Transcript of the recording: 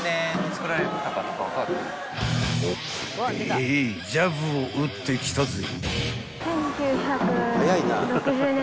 ［ヘヘヘイジャブを打ってきたぜ］